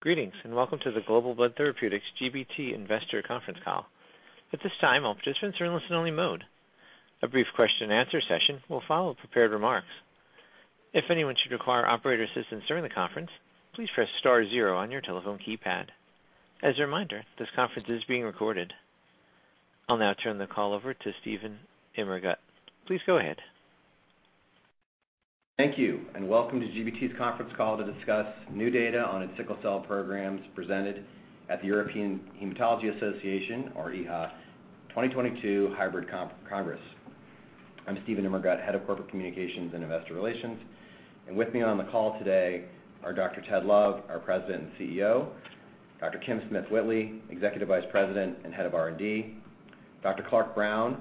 Greetings, and welcome to the Global Blood Therapeutics, GBT, investor conference call. At this time, all participants are in listen-only mode. A brief question and answer session will follow prepared remarks. If anyone should require operator assistance during the conference, please press star zero on your telephone keypad. As a reminder, this conference is being recorded. I'll now turn the call over to Steven Immergut. Please go ahead. Thank you, and welcome to GBT's conference call to discuss new data on its sickle cell programs presented at the European Hematology Association, or EHA, 2022 Hybrid Congress. I'm Steven Immergut, Head of Corporate Communications and Investor Relations, and with me on the call today are Dr. Ted Love, our President and CEO, Dr. Kim Smith-Whitley, Executive Vice President and Head of R&D, Dr. Clark Brown,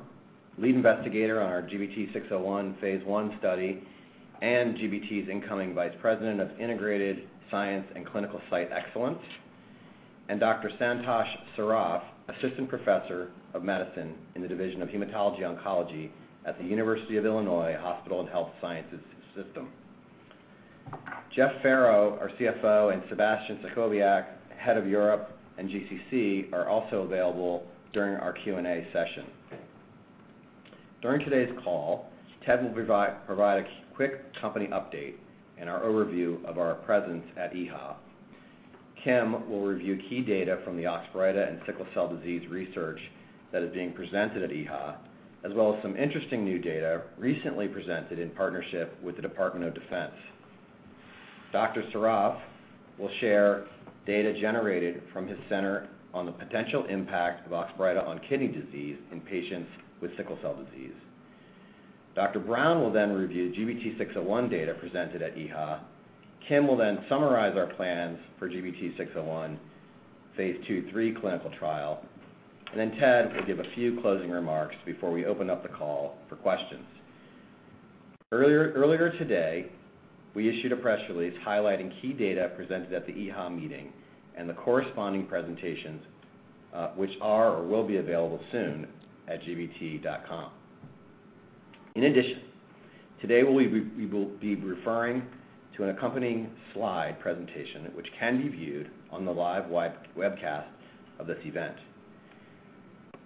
Lead Investigator on our GBT-601 phase I study and GBT's incoming Vice President of Integrated Science and Clinical Site Excellence, and Dr. Santosh Saraf, Assistant Professor of Medicine in the Division of Hematology Oncology at the University of Illinois Hospital & Health Sciences System. Jeffrey Farrow, our CFO, and Sebastian Stachowiak, Head of Europe and GCC, are also available during our Q&A session. During today's call, Ted will provide a quick company update and our overview of our presence at EHA. Kim will review key data from the Oxbryta and sickle cell disease research that is being presented at EHA, as well as some interesting new data recently presented in partnership with the Department of Defense. Dr. Saraf will share data generated from his center on the potential impact of Oxbryta on kidney disease in patients with sickle cell disease. Dr. Brown will then review GBT-601 data presented at EHA. Kim will then summarize our plans for GBT-601 phase two/three clinical trial, and then Ted will give a few closing remarks before we open up the call for questions. Earlier today, we issued a press release highlighting key data presented at the EHA meeting and the corresponding presentations, which are or will be available soon at gbt.com. In addition, today we will be referring to an accompanying slide presentation which can be viewed on the live webcast of this event.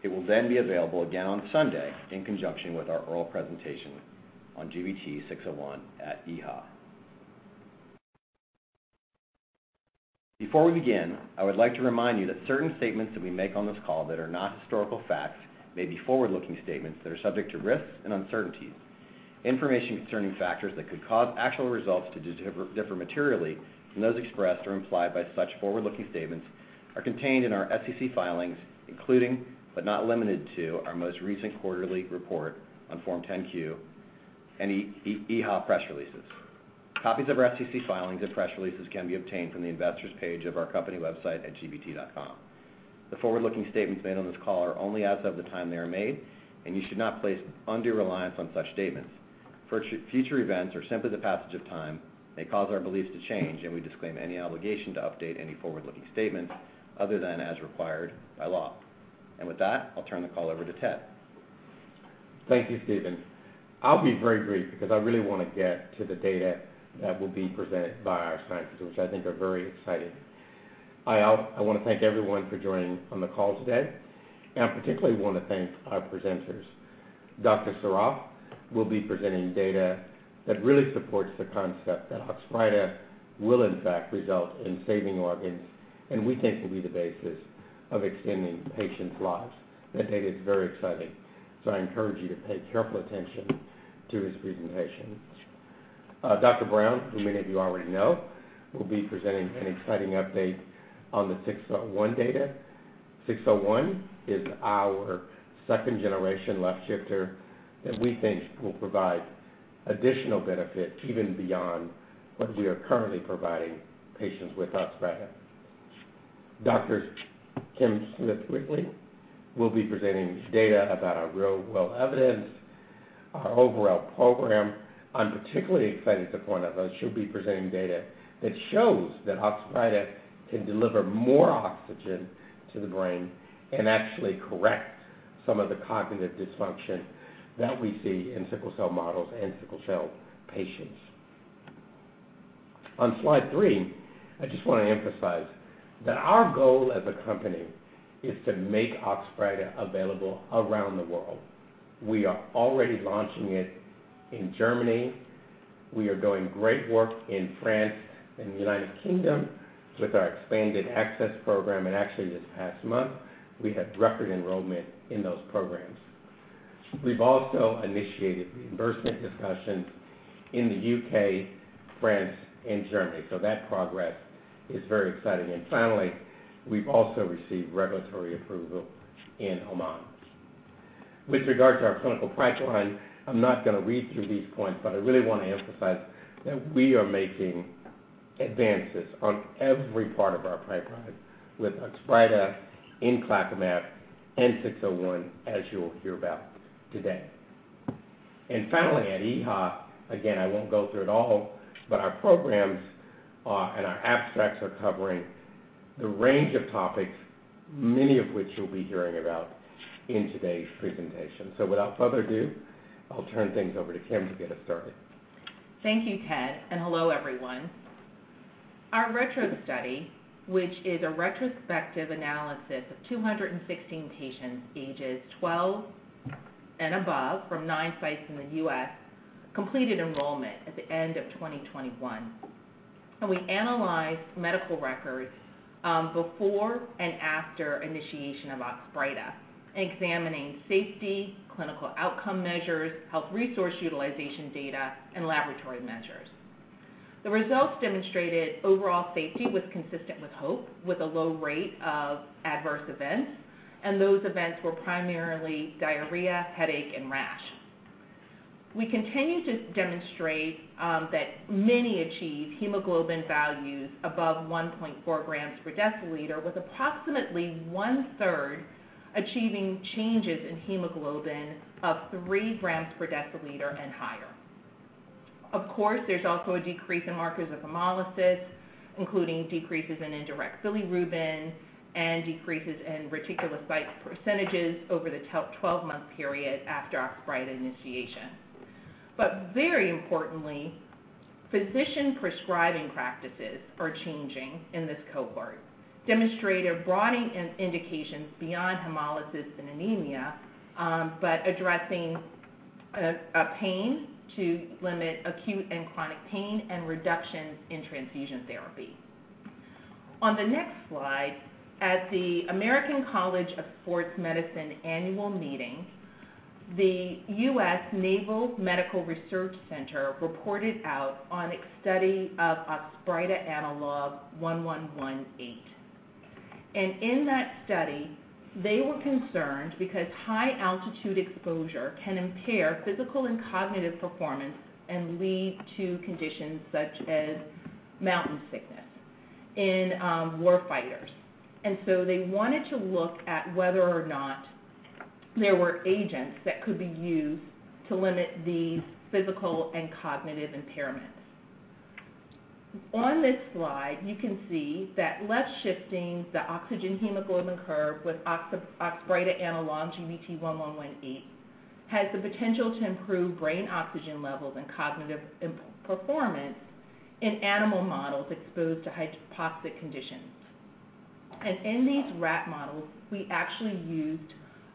It will then be available again on Sunday in conjunction with our oral presentation on GBT-601 at EHA. Before we begin, I would like to remind you that certain statements that we make on this call that are not historical facts may be forward-looking statements that are subject to risks and uncertainties. Information concerning factors that could cause actual results to differ materially from those expressed or implied by such forward-looking statements are contained in our SEC filings, including but not limited to our most recent quarterly report on Form 10-Q, any EHA press releases. Copies of our SEC filings and press releases can be obtained from the investors page of our company website at gbt.com. The forward-looking statements made on this call are only as of the time they are made, and you should not place undue reliance on such statements. Future events or simply the passage of time may cause our beliefs to change, and we disclaim any obligation to update any forward-looking statements other than as required by law. With that, I'll turn the call over to Ted. Thank you, Steven. I'll be very brief because I really wanna get to the data that will be presented by our scientists, which I think are very exciting. I wanna thank everyone for joining on the call today, and particularly wanna thank our presenters. Dr. Saraf will be presenting data that really supports the concept that Oxbryta will in fact result in saving organs, and we think will be the basis of extending patients' lives. That data is very exciting, so I encourage you to pay careful attention to his presentation. Dr. Brown, who many of you already know, will be presenting an exciting update on the six-oh-one data. Six-oh-one is our second-generation left shifter that we think will provide additional benefit even beyond what we are currently providing patients with Oxbryta. Dr. Kim Smith-Whitley will be presenting data about our real-world evidence, our overall program. I'm particularly excited to point out that she'll be presenting data that shows that Oxbryta can deliver more oxygen to the brain and actually correct some of the cognitive dysfunction that we see in sickle cell models and sickle cell patients. On slide three, I just wanna emphasize that our goal as a company is to make Oxbryta available around the world. We are already launching it in Germany. We are doing great work in France and the United Kingdom with our expanded access program, and actually this past month, we had record enrollment in those programs. We've also initiated reimbursement discussions in the UK, France, and Germany, so that progress is very exciting. Finally, we've also received regulatory approval in Oman. With regard to our clinical pipeline, I'm not gonna read through these points, but I really wanna emphasize that we are making advances on every part of our pipeline with Oxbryta, inclacumab, and six-oh-one, as you will hear about today. Finally, at EHA, again, I won't go through it all, but our programs are, and our abstracts are covering the range of topics, many of which you'll be hearing about in today's presentation. Without further ado, I'll turn things over to Kim to get us started. Thank you, Ted, and hello, everyone. Our retro study, which is a retrospective analysis of 216 patients ages 12 and above from nine sites in the U.S., completed enrollment at the end of 2021. We analyzed medical records before and after initiation of Oxbryta, examining safety, clinical outcome measures, health resource utilization data, and laboratory measures. The results demonstrated overall safety was consistent with HOPE, with a low rate of adverse events, and those events were primarily diarrhea, headache, and rash. We continue to demonstrate that many achieve hemoglobin values above 1.4 grams per deciliter, with approximately one-third achieving changes in hemoglobin of 3 grams per deciliter and higher. Of course, there's also a decrease in markers of hemolysis, including decreases in indirect bilirubin and decreases in reticulocyte percentages over the 12-month period after Oxbryta initiation. Very importantly, physician prescribing practices are changing in this cohort, demonstrating a broadening in indications beyond hemolysis and anemia, but addressing a pain to limit acute and chronic pain and reductions in transfusion therapy. On the next slide, at the American College of Sports Medicine annual meeting, the U.S. Naval Medical Research Center reported out on a study of Oxbryta analog 1118. In that study, they were concerned because high-altitude exposure can impair physical and cognitive performance and lead to conditions such as mountain sickness in war fighters. They wanted to look at whether or not there were agents that could be used to limit these physical and cognitive impairments. On this slide, you can see that left shifting the oxygen hemoglobin curve with Oxbryta analog GBT1118 has the potential to improve brain oxygen levels and cognitive performance in animal models exposed to hypoxic conditions. In these rat models, we actually used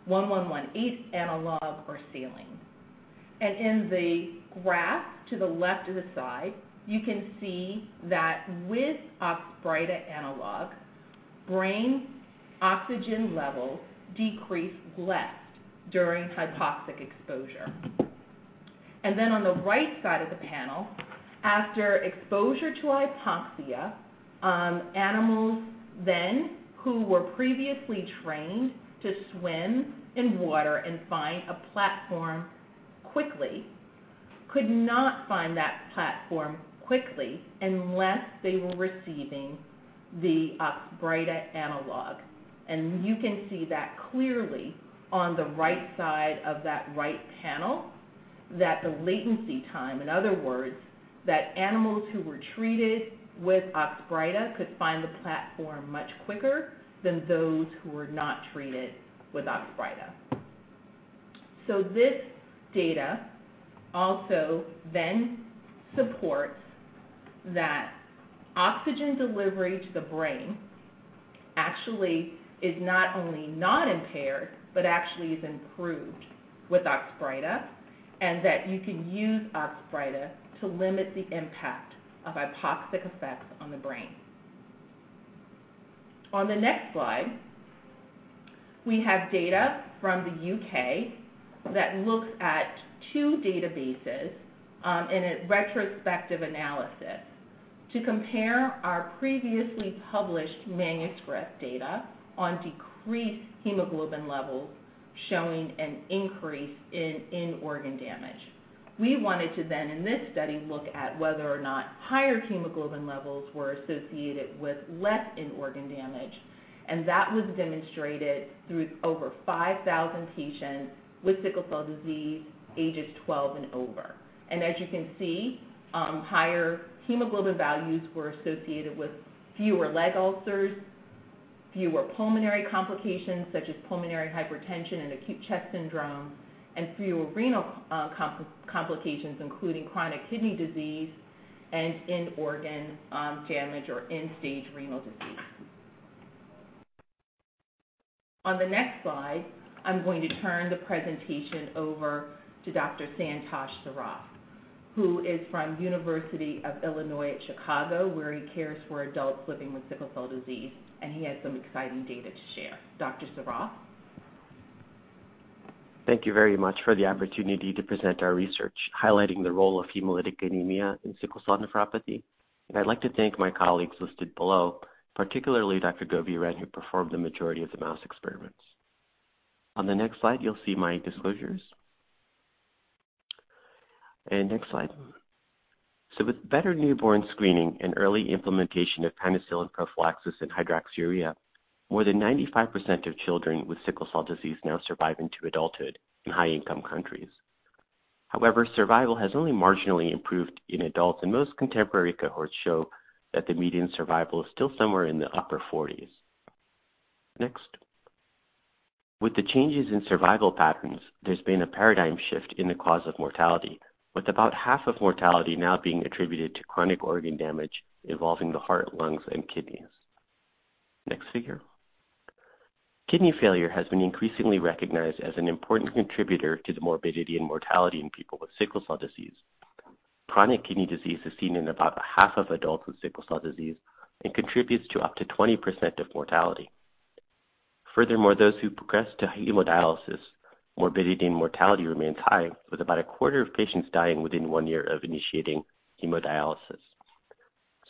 GBT1118 analog or saline. In the graph to the left of the slide, you can see that with Oxbryta analog, brain oxygen levels decrease less during hypoxic exposure. On the right side of the panel, after exposure to hypoxia, animals then who were previously trained to swim in water and find a platform quickly could not find that platform quickly unless they were receiving the Oxbryta analog. You can see that clearly on the right side of that right panel that the latency time, in other words, that animals who were treated with Oxbryta could find the platform much quicker than those who were not treated with Oxbryta. This data also then supports that oxygen delivery to the brain actually is not only not impaired, but actually is improved with Oxbryta, and that you can use Oxbryta to limit the impact of hypoxic effects on the brain. On the next slide, we have data from the U.K. that looks at two databases, in a retrospective analysis to compare our previously published manuscript data on decreased hemoglobin levels showing an increase in end organ damage. We wanted to, in this study, look at whether or not higher hemoglobin levels were associated with less end organ damage, and that was demonstrated through over 5,000 patients with sickle cell disease ages 12 and over. As you can see, higher hemoglobin values were associated with fewer leg ulcers, fewer pulmonary complications such as pulmonary hypertension and acute chest syndrome, and fewer renal complications including chronic kidney disease and end organ damage or end-stage renal disease. On the next slide, I'm going to turn the presentation over to Dr. Santosh Saraf, who is from University of Illinois Chicago, where he cares for adults living with sickle cell disease, and he has some exciting data to share. Dr. Saraf. Thank you very much for the opportunity to present our research highlighting the role of hemolytic anemia in sickle cell nephropathy. I'd like to thank my colleagues listed below, particularly Dr. Govindan, who performed the majority of the mouse experiments. On the next slide, you'll see my disclosures. Next slide. With better newborn screening and early implementation of penicillin prophylaxis and hydroxyurea, more than 95% of children with sickle cell disease now survive into adulthood in high-income countries. However, survival has only marginally improved in adults, and most contemporary cohorts show that the median survival is still somewhere in the upper 40s. Next. With the changes in survival patterns, there's been a paradigm shift in the cause of mortality, with about half of mortality now being attributed to chronic organ damage involving the heart, lungs, and kidneys. Next figure. Kidney failure has been increasingly recognized as an important contributor to the morbidity and mortality in people with sickle cell disease. Chronic kidney disease is seen in about half of adults with sickle cell disease and contributes to up to 20% of mortality. Furthermore, those who progress to hemodialysis, morbidity and mortality remains high, with about a quarter of patients dying within one year of initiating hemodialysis.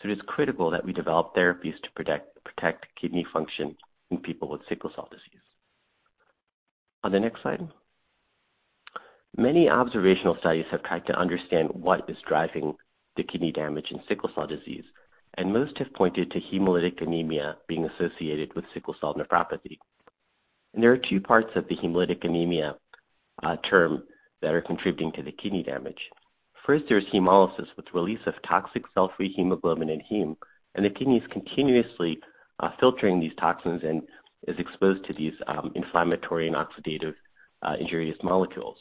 It is critical that we develop therapies to protect kidney function in people with sickle cell disease. On the next slide. Many observational studies have tried to understand what is driving the kidney damage in sickle cell disease, and most have pointed to hemolytic anemia being associated with sickle cell nephropathy. There are two parts of the hemolytic anemia term that are contributing to the kidney damage. First, there's hemolysis with release of toxic cell-free hemoglobin and heme, and the kidney is continuously filtering these toxins and is exposed to these inflammatory and oxidative injurious molecules.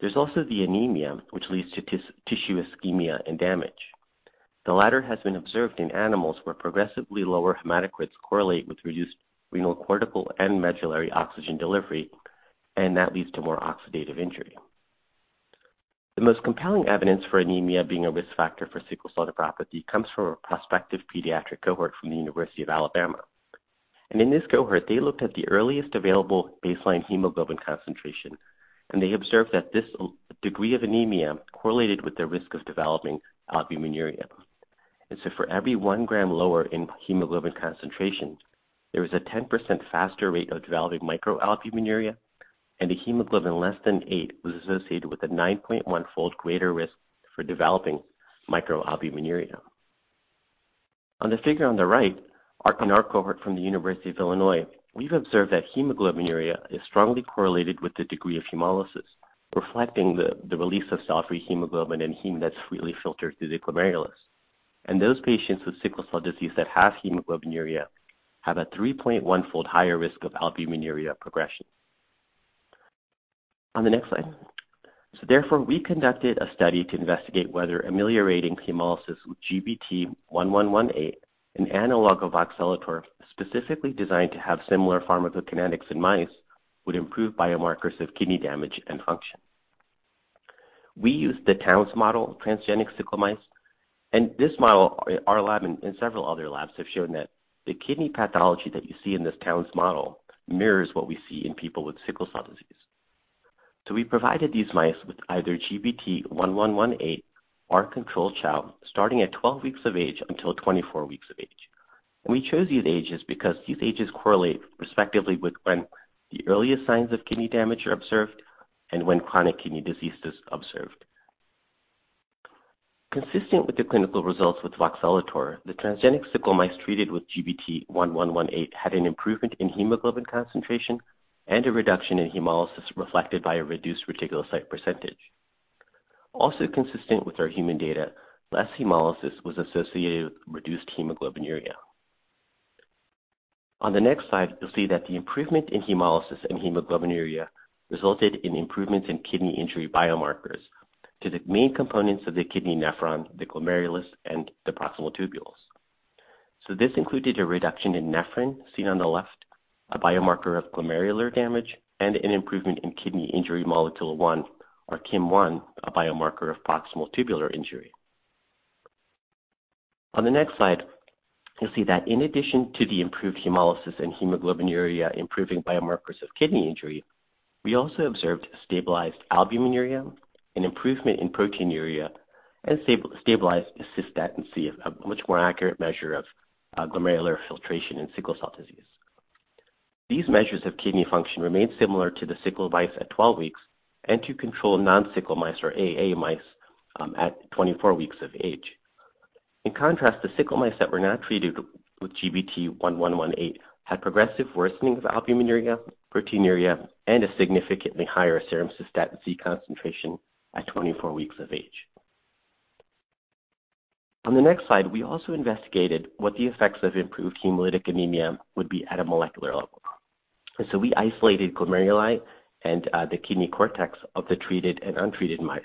There's also the anemia, which leads to tissue ischemia and damage. The latter has been observed in animals where progressively lower hematocrits correlate with reduced renal cortical and medullary oxygen delivery, and that leads to more oxidative injury. The most compelling evidence for anemia being a risk factor for sickle cell nephropathy comes from a prospective pediatric cohort from the University of Alabama. In this cohort, they looked at the earliest available baseline hemoglobin concentration, and they observed that this degree of anemia correlated with the risk of developing albuminuria. For every 1 gram lower in hemoglobin concentration, there was a 10% faster rate of developing microalbuminuria, and a hemoglobin less than eight was associated with a 9.1-fold greater risk for developing microalbuminuria. On the figure on the right, our cohort from the University of Illinois, we've observed that hemoglobinuria is strongly correlated with the degree of hemolysis, reflecting the release of cell-free hemoglobin and heme that's freely filtered through the glomerulus. Those patients with sickle cell disease that have hemoglobinuria have a 3.1-fold higher risk of albuminuria progression. On the next slide. Therefore, we conducted a study to investigate whether ameliorating hemolysis with GBT1118, an analog of voxelotor specifically designed to have similar pharmacokinetics in mice, would improve biomarkers of kidney damage and function. We used the Townes model of transgenic sickle mice, and this model in our lab and several other labs have shown that the kidney pathology that you see in this Townes model mirrors what we see in people with sickle cell disease. We provided these mice with either GBT1118 or a control chow starting at 12 weeks of age until 24 weeks of age. We chose these ages because these ages correlate respectively with when the earliest signs of kidney damage are observed and when chronic kidney disease is observed. Consistent with the clinical results with voxelotor, the transgenic sickle mice treated with GBT1118 had an improvement in hemoglobin concentration and a reduction in hemolysis reflected by a reduced reticulocyte percentage. Also consistent with our human data, less hemolysis was associated with reduced hemoglobinuria. On the next slide, you'll see that the improvement in hemolysis and hemoglobinuria resulted in improvements in kidney injury biomarkers to the main components of the kidney nephron, the glomerulus, and the proximal tubules. This included a reduction in nephrin, seen on the left, a biomarker of glomerular damage, and an improvement in kidney injury Molecule 1 or KIM-1, a biomarker of proximal tubular injury. On the next slide, you'll see that in addition to the improved hemolysis and hemoglobinuria improving biomarkers of kidney injury, we also observed stabilized albuminuria, an improvement in proteinuria, and stabilized cystatin C, a much more accurate measure of glomerular filtration in sickle cell disease. These measures of kidney function remained similar to the sickle mice at 12 weeks and to control non-sickle mice or AA mice at 24 weeks of age. In contrast, the sickle mice that were not treated with GBT1118 had progressive worsening of albuminuria, proteinuria, and a significantly higher serum cystatin C concentration at 24 weeks of age. On the next slide, we also investigated what the effects of improved hemolytic anemia would be at a molecular level. We isolated glomeruli and the kidney cortex of the treated and untreated mice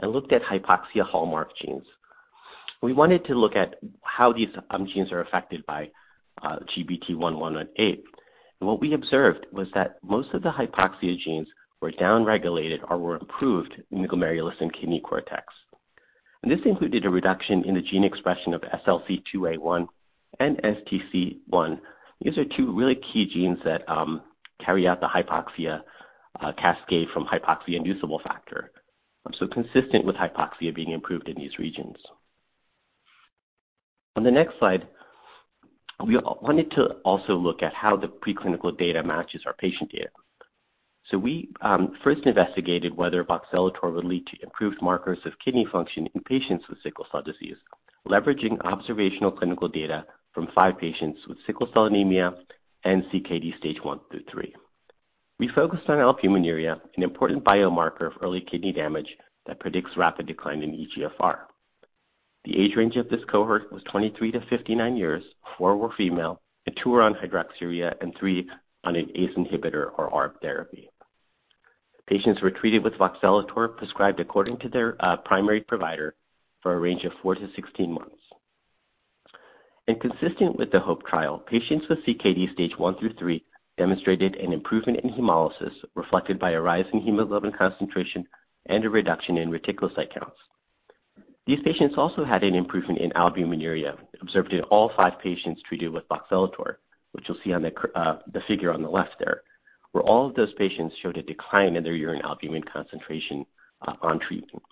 and looked at hypoxia hallmark genes. We wanted to look at how these genes are affected by GBT1118. What we observed was that most of the hypoxia genes were downregulated or were improved in the glomerulus and kidney cortex. This included a reduction in the gene expression of SLC2A1 and STC1. These are two really key genes that carry out the hypoxia cascade from hypoxia-inducible factor, so consistent with hypoxia being improved in these regions. On the next slide, we wanted to also look at how the preclinical data matches our patient data. We first investigated whether voxelotor would lead to improved markers of kidney function in patients with sickle cell disease. Leveraging observational clinical data from five patients with sickle cell anemia and CKD Stage 1 through 3. We focused on albuminuria, an important biomarker of early kidney damage that predicts rapid decline in EGFR. The age range of this cohort was 23-59 years, four were female, and two were on hydroxyurea, and three on an ACE inhibitor or ARB therapy. Patients were treated with voxelotor, prescribed according to their primary provider for a range of 4-16 months. Consistent with the HOPE trial, patients with CKD Stage 1 through 3 demonstrated an improvement in hemolysis reflected by a rise in hemoglobin concentration and a reduction in reticulocyte counts. These patients also had an improvement in albuminuria observed in all five patients treated with voxelotor, which you'll see on the figure on the left there, where all of those patients showed a decline in their urine albumin concentration on treatment.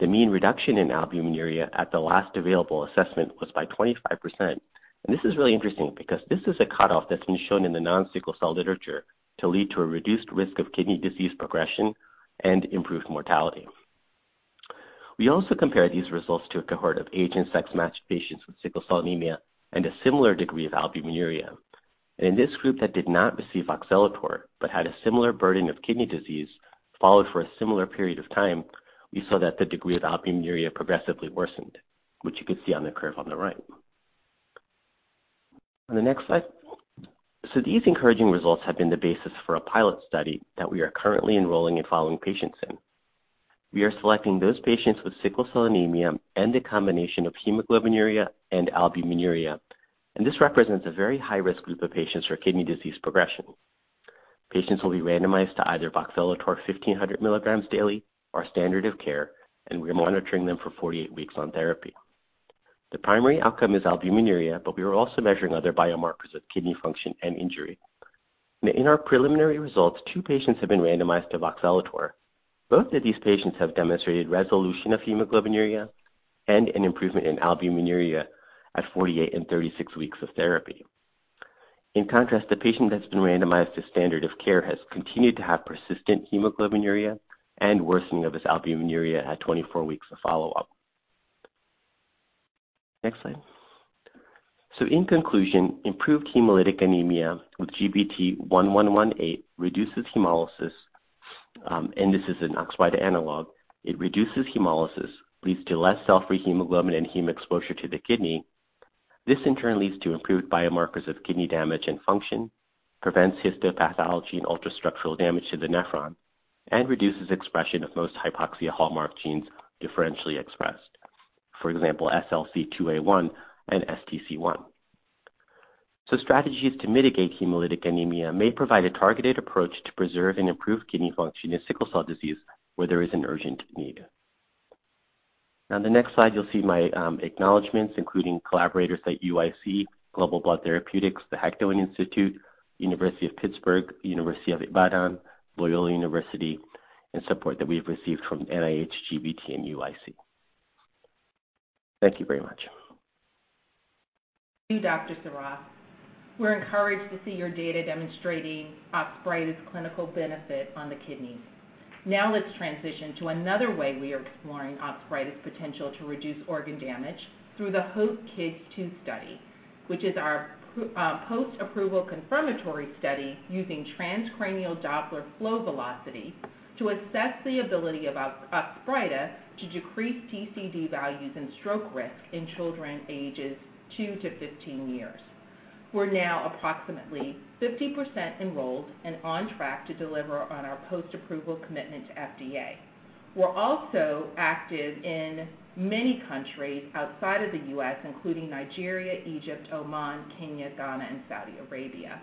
The mean reduction in albuminuria at the last available assessment was by 25%. This is really interesting because this is a cutoff that's been shown in the non-sickle cell literature to lead to a reduced risk of kidney disease progression and improved mortality. We also compared these results to a cohort of age and sex-matched patients with sickle cell anemia and a similar degree of albuminuria. In this group that did not receive voxelotor, but had a similar burden of kidney disease, followed for a similar period of time, we saw that the degree of albuminuria progressively worsened, which you could see on the curve on the right. On the next slide. These encouraging results have been the basis for a pilot study that we are currently enrolling and following patients in. We are selecting those patients with sickle cell anemia and a combination of hemoglobinuria and albuminuria, and this represents a very high-risk group of patients for kidney disease progression. Patients will be randomized to either voxelotor 1500 milligrams daily or standard of care, and we are monitoring them for 48 weeks on therapy. The primary outcome is albuminuria, but we are also measuring other biomarkers of kidney function and injury. In our preliminary results, two patients have been randomized to voxelotor. Both of these patients have demonstrated resolution of hemoglobinuria and an improvement in albuminuria at 48 and 36 weeks of therapy. In contrast, the patient that's been randomized to standard of care has continued to have persistent hemoglobinuria and worsening of his albuminuria at 24 weeks of follow-up. Next slide. In conclusion, improved hemolytic anemia with GBT1118 reduces hemolysis, and this is an Oxbryta analog. It reduces hemolysis, leads to less cell-free hemoglobin and heme exposure to the kidney. This in turn leads to improved biomarkers of kidney damage and function, prevents histopathology and ultra-structural damage to the nephron, and reduces expression of most hypoxia hallmark genes differentially expressed. For example, SLC2A1 and STC1. Strategies to mitigate hemolytic anemia may provide a targeted approach to preserve and improve kidney function in sickle cell disease where there is an urgent need. On the next slide, you'll see my acknowledgments, including collaborators at UIC, Global Blood Therapeutics, the Hektoen Institute, University of Pittsburgh, University of Ibadan, Loyola University, and support that we have received from NIH, GBT, and UIC. Thank you very much. Thank you, Dr. Saraf. We're encouraged to see your data demonstrating Oxbryta's clinical benefit on the kidneys. Now let's transition to another way we are exploring Oxbryta's potential to reduce organ damage through the HOPE-Kids 2 study, which is our post-approval confirmatory study using transcranial Doppler flow velocity to assess the ability of Oxbryta to decrease TCD values and stroke risk in children ages two to 15 years. We're now approximately 50% enrolled and on track to deliver on our post-approval commitment to FDA. We're also active in many countries outside of the U.S., including Nigeria, Egypt, Oman, Kenya, Ghana, and Saudi Arabia.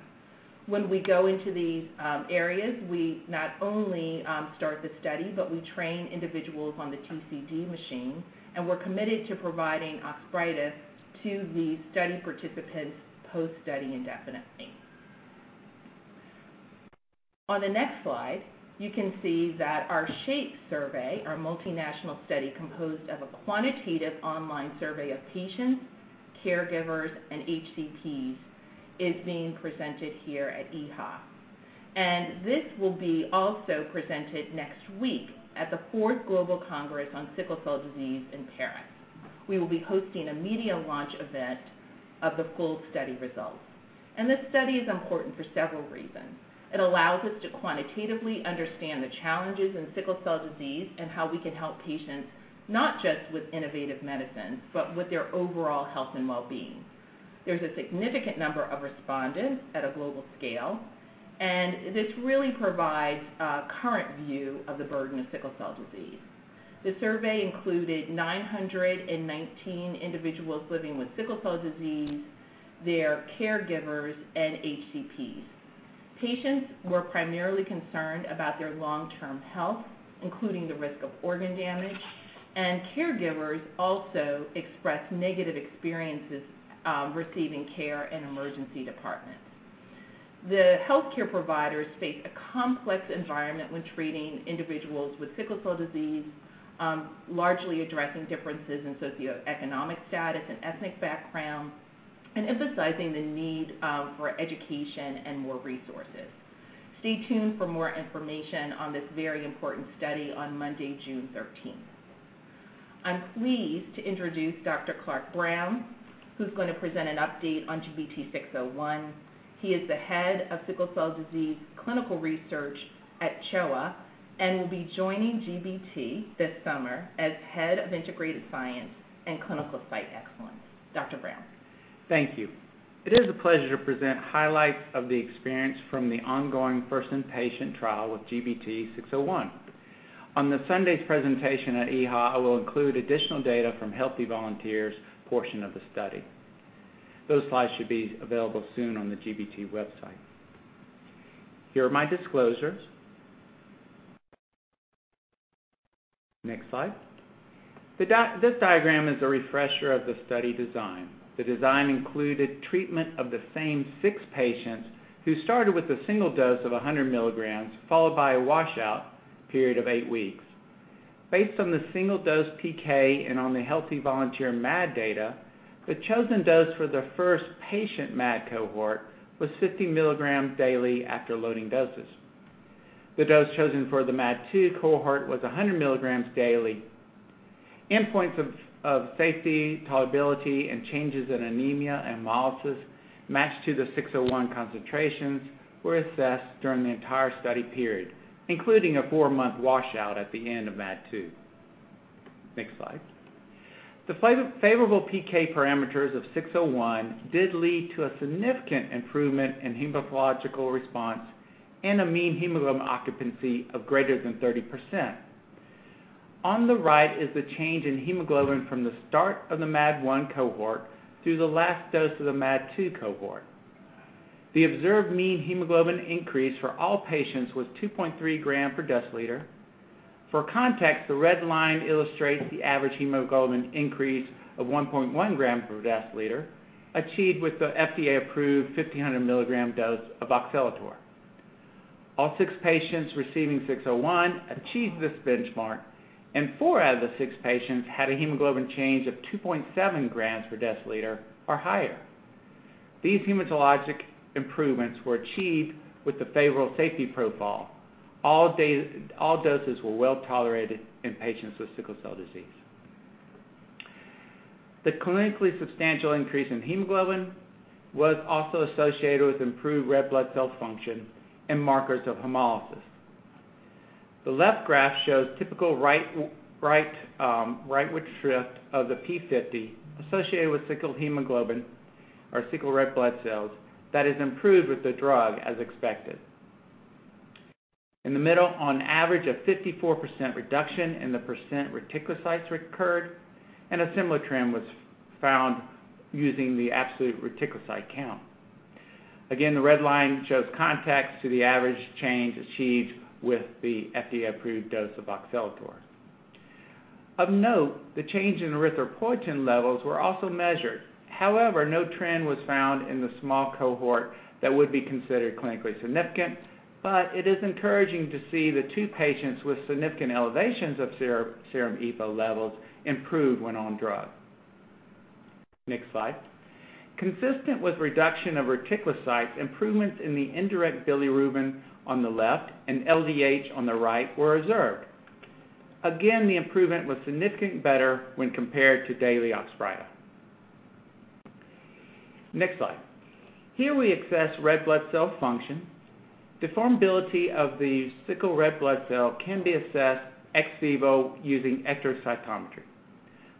When we go into these areas, we not only start the study, but we train individuals on the TCD machine, and we're committed to providing Oxbryta to the study participants post-study indefinitely. On the next slide, you can see that our SHAPE survey, our multinational study composed of a quantitative online survey of patients, caregivers, and HCPs, is being presented here at EHA. This will be also presented next week at the fourth Global Congress on Sickle Cell Disease in Paris. We will be hosting a media launch event of the full study results. This study is important for several reasons. It allows us to quantitatively understand the challenges in sickle cell disease and how we can help patients not just with innovative medicines but with their overall health and well-being. There's a significant number of respondents at a global scale, and this really provides a current view of the burden of sickle cell disease. The survey included 919 individuals living with sickle cell disease, their caregivers, and HCPs. Patients were primarily concerned about their long-term health, including the risk of organ damage, and caregivers also expressed negative experiences receiving care in emergency departments. The healthcare providers face a complex environment when treating individuals with sickle cell disease, largely addressing differences in socioeconomic status and ethnic background and emphasizing the need for education and more resources. Stay tuned for more information on this very important study on Monday, June thirteenth. I'm pleased to introduce Dr. Clark Brown, who's going to present an update on GBT-601. He is the head of sickle cell disease clinical research at CHOA and will be joining GBT this summer as head of integrated science and clinical site excellence. Dr. Brown. Thank you. It is a pleasure to present highlights of the experience from the ongoing first inpatient trial of GBT-601. On Sunday's presentation at EHA, I will include additional data from healthy volunteers portion of the study. Those slides should be available soon on the GBT website. Here are my disclosures. Next slide. This diagram is a refresher of the study design. The design included treatment of the same six patients who started with a single dose of 100 milligrams, followed by a washout period of 8 weeks. Based on the single dose PK and on the healthy volunteer MAD data, the chosen dose for the first patient MAD cohort was 50 milligrams daily after loading doses. The dose chosen for the MAD-two cohort was 100 milligrams daily. Endpoints of safety, tolerability, and changes in anemia and hemolysis matched to the GBT-601 concentrations were assessed during the entire study period, including a four-month washout at the end of MAD-2. Next slide. The favorable PK parameters of GBT-601 did lead to a significant improvement in hematological response and a mean hemoglobin occupancy of greater than 30%. On the right is the change in hemoglobin from the start of the MAD-1 cohort through the last dose of the MAD-2 cohort. The observed mean hemoglobin increase for all patients was 2.3 gram per deciliter. For context, the red line illustrates the average hemoglobin increase of 1.1 gram per deciliter achieved with the FDA-approved 1,500 milligram dose of Oxbryta. All six patients receiving GBT-601 achieved this benchmark, and four out of the six patients had a hemoglobin change of 2.7 grams per deciliter or higher. These hematologic improvements were achieved with the favorable safety profile. All doses were well-tolerated in patients with sickle cell disease. The clinically substantial increase in hemoglobin was also associated with improved red blood cell function and markers of hemolysis. The left graph shows typical rightward shift of the P50 associated with sickle hemoglobin or sickle red blood cells that is improved with the drug as expected. In the middle, on average, a 54% reduction in the percent reticulocytes occurred, and a similar trend was found using the absolute reticulocyte count. Again, the red line shows contrast to the average change achieved with the FDA-approved dose of Oxbryta. Of note, the change in erythropoietin levels were also measured. However, no trend was found in the small cohort that would be considered clinically significant. It is encouraging to see the two patients with significant elevations of serum EPO levels improve when on drug. Next slide. Consistent with reduction of reticulocytes, improvements in the indirect bilirubin on the left and LDH on the right were observed. Again, the improvement was significantly better when compared to daily Oxbryta. Next slide. Here we assess red blood cell function. Deformability of the sickle red blood cell can be assessed ex vivo using ektacytometry.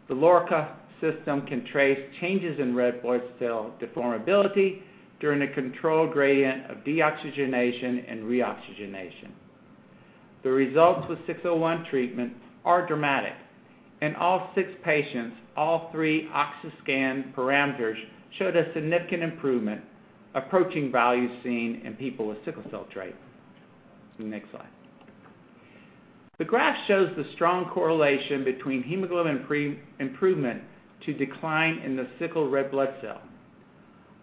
The LoRRca system can trace changes in red blood cell deformability during a controlled gradient of deoxygenation and reoxygenation. The results with GBT-601 treatment are dramatic. In all six patients, all three Oxygenscan parameters showed a significant improvement, approaching values seen in people with sickle cell trait. Next slide. The graph shows the strong correlation between hemoglobin improvement to decline in the sickle red blood cell.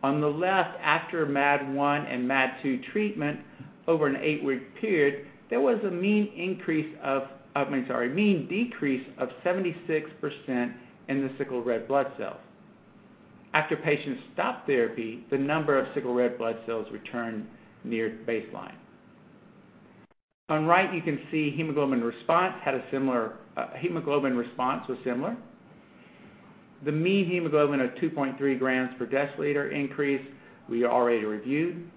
On the left, after MAD-1 and MAD-2 treatment over an eight-week period, there was a mean decrease of 76% in the sickle red blood cell. After patients stopped therapy, the number of sickle red blood cells returned near baseline. On right, you can see hemoglobin response was similar. The mean hemoglobin of 2.3 grams per deciliter increase we already reviewed.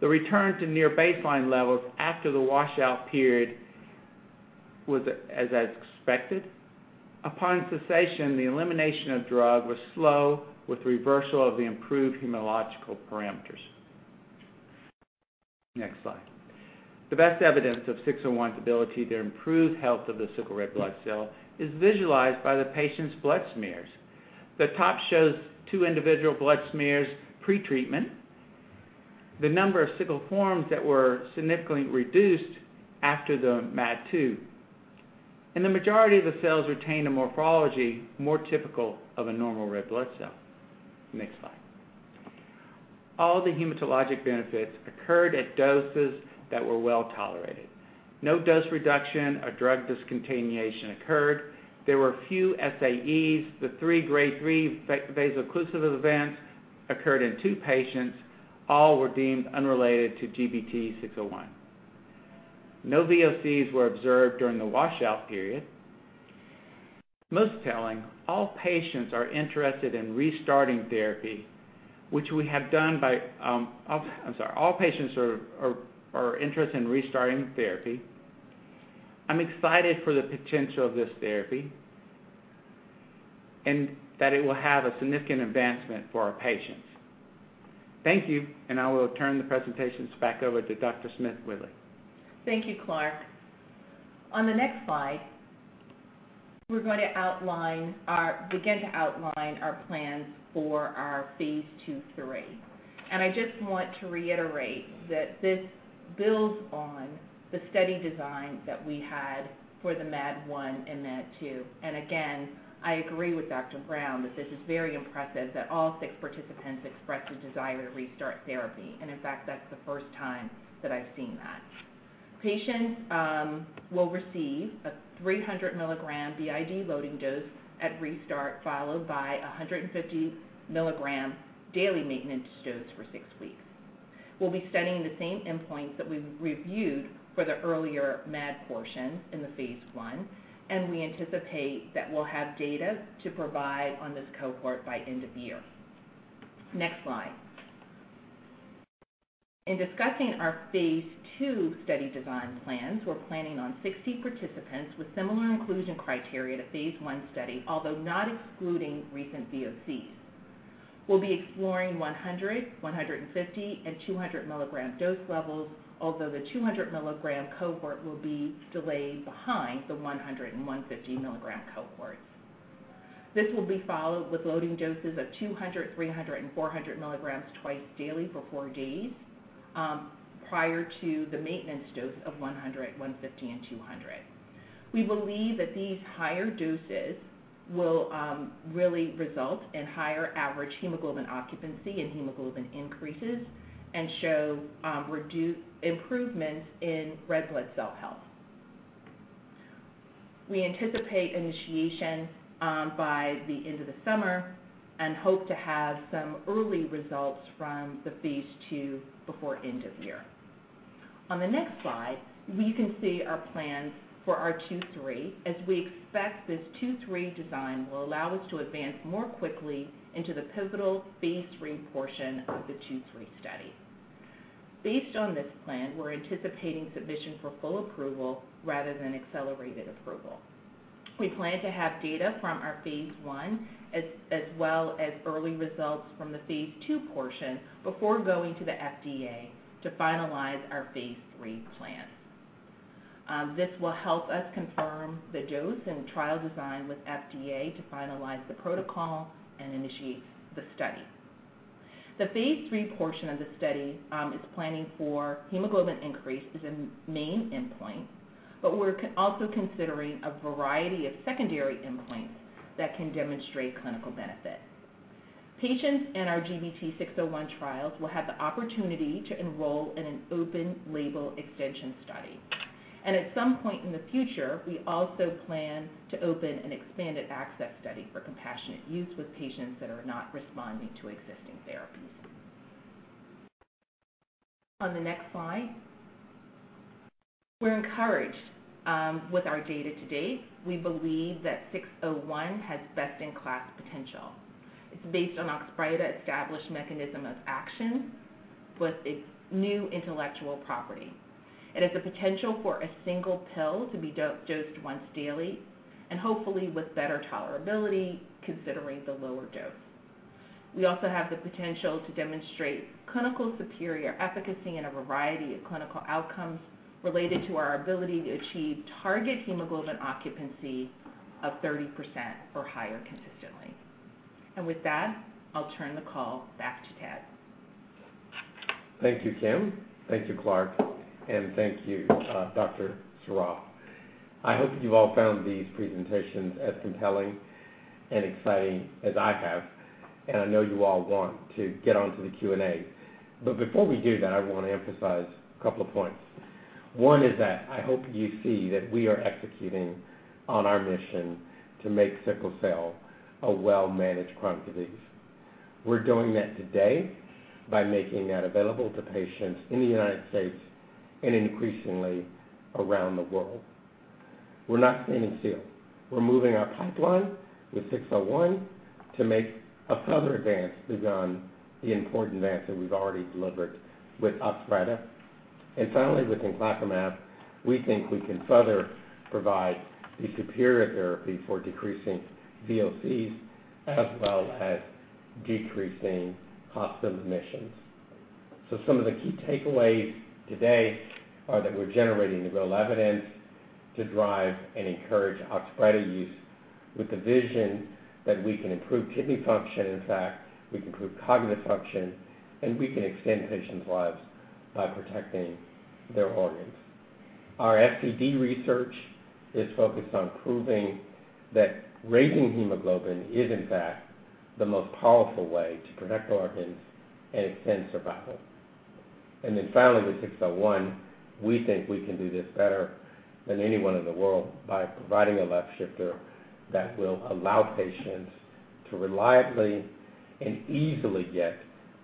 The return to near baseline levels after the washout period was as expected. Upon cessation, the elimination of drug was slow with reversal of the improved hematological parameters. Next slide. The best evidence of 601's ability to improve health of the sickle red blood cell is visualized by the patient's blood smears. The top shows two individual blood smears pretreatment. The number of sickle forms that were significantly reduced after the MAD-2, and the majority of the cells retain a morphology more typical of a normal red blood cell. Next slide. All the hematologic benefits occurred at doses that were well-tolerated. No dose reduction or drug discontinuation occurred. There were few SAEs. The three Grade 3 vaso-occlusive events occurred in two patients. All were deemed unrelated to GBT-601. No VOCs were observed during the washout period. Most telling, all patients are interested in restarting therapy, which we have done. I'm excited for the potential of this therapy, and that it will have a significant advancement for our patients. Thank you, and I will turn the presentations back over to Dr. Smith-Whitley. Thank you, Clark. On the next slide, we're going to begin to outline our plans for our phase II-III. I just want to reiterate that this builds on the study design that we had for the MAD-1 and MAD-2. I agree with Dr. Brown that this is very impressive that all six participants expressed a desire to restart therapy. In fact, that's the first time that I've seen that. Patients will receive a 300 milligram BID loading dose at restart, followed by a 150 milligram daily maintenance dose for six weeks. We'll be studying the same endpoints that we reviewed for the earlier MAD portion in the phase I, and we anticipate that we'll have data to provide on this cohort by end of year. Next slide. In discussing our phase II study design plans, we're planning on 60 participants with similar inclusion criteria to phase I study, although not excluding recent VOCs. We'll be exploring 100, 150, and 200 milligram dose levels, although the 200 milligram cohort will be delayed behind the 100 and 150 milligram cohorts. This will be followed with loading doses of 200, 300, and 400 milligrams twice daily for four days prior to the maintenance dose of 100, 150, and 200. We believe that these higher doses will really result in higher average hemoglobin occupancy and hemoglobin increases, and show improvements in red blood cell health. We anticipate initiation by the end of the summer and hope to have some early results from the phase II before end of year. On the next slide, we can see our plans for our 2/3, as we expect this 2/3 design will allow us to advance more quickly into the pivotal phase III portion of the 2/3 study. Based on this plan, we're anticipating submission for full approval rather than accelerated approval. We plan to have data from our phase I, as well as early results from the phase II portion before going to the FDA to finalize our phase III plan. This will help us confirm the dose and trial design with FDA to finalize the protocol and initiate the study. The phase III portion of the study is planning for hemoglobin increase as a main endpoint, but we're also considering a variety of secondary endpoints that can demonstrate clinical benefit. Patients in our GBT-601 trials will have the opportunity to enroll in an open label extension study. At some point in the future, we also plan to open an expanded access study for compassionate use with patients that are not responding to existing therapies. On the next slide. We're encouraged with our data to date. We believe that GBT-601 has best-in-class potential. It's based on Oxbryta's established mechanism of action with a new intellectual property. It has the potential for a single pill to be dosed once daily and hopefully with better tolerability considering the lower dose. We also have the potential to demonstrate clinically superior efficacy in a variety of clinical outcomes related to our ability to achieve target hemoglobin occupancy of 30% or higher consistently. With that, I'll turn the call back to Ted. Thank you, Kim. Thank you, Clark. Thank you, Dr. Saraf. I hope you've all found these presentations as compelling and exciting as I have, and I know you all want to get on to the Q&A. Before we do that, I want to emphasize a couple of points. One is that I hope you see that we are executing on our mission to make sickle cell a well-managed chronic disease. We're doing that today by making that available to patients in the United States and increasingly around the world. We're not standing still. We're moving our pipeline with six-oh-one to make a further advance beyond the important advance that we've already delivered with Oxbryta. Finally, with inclacumab, we think we can further provide a superior therapy for decreasing VOCs as well as decreasing hospital admissions. Some of the key takeaways today are that we're generating real evidence to drive and encourage Oxbryta use with the vision that we can improve kidney function. In fact, we can improve cognitive function, and we can extend patients' lives by protecting their organs. Our SCD research is focused on proving that raising hemoglobin is in fact the most powerful way to protect organs and extend survival. Finally, with GBT-601, we think we can do this better than anyone in the world by providing a left shifter that will allow patients to reliably and easily get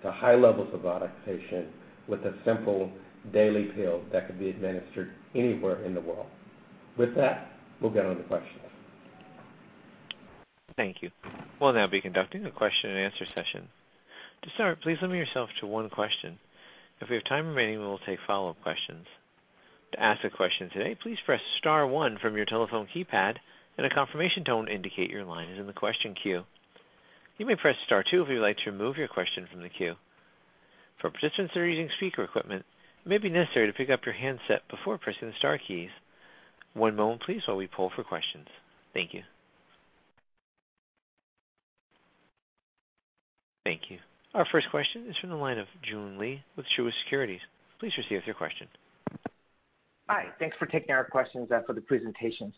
to high levels of oxygenation with a simple daily pill that could be administered anywhere in the world. With that, we'll go on to questions. Thank you. We'll now be conducting a question-and-answer session. To start, please limit yourself to one question. If we have time remaining, we will take follow-up questions. To ask a question today, please press star one from your telephone keypad, and a confirmation tone will indicate your line is in the question queue. You may press star two if you'd like to remove your question from the queue. For participants that are using speaker equipment, it may be necessary to pick up your handset before pressing the star keys. One moment please while we poll for questions. Thank you. Thank you. Our first question is from the line of Joon Lee with Truist Securities. Please proceed with your question. Hi. Thanks for taking our questions and for the presentations.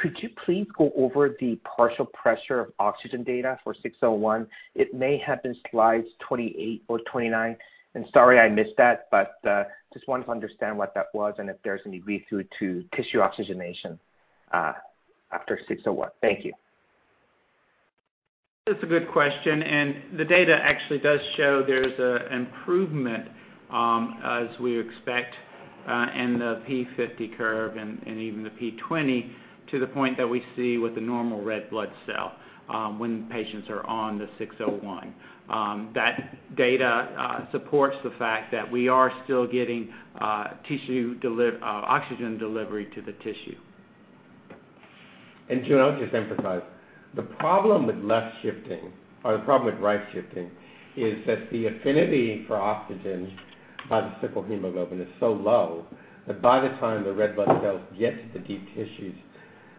Could you please go over the partial pressure of oxygen data for 601? It may have been slides 28 or 29. Sorry I missed that, but just wanted to understand what that was and if there's any read-through to tissue oxygenation after 601. Thank you. That's a good question, and the data actually does show there's improvement as we expect in the P50 curve and even the P20 to the point that we see with the normal red blood cell when patients are on the 601. That data supports the fact that we are still getting oxygen delivery to the tissue. Joon, I'll just emphasize. The problem with left shifting or the problem with right shifting is that the affinity for oxygen by the sickle hemoglobin is so low that by the time the red blood cells get to the deep tissues,